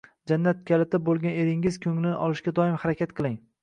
“Jannat kaliti” bo‘lgan eringiz ko‘nglini olishga doim harakat qiling.